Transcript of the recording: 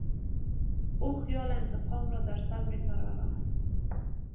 او خیال انتقام را در سر میپروراند.